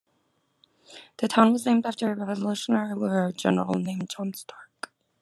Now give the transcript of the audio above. The town was named after a Revolutionary War General named John Stark.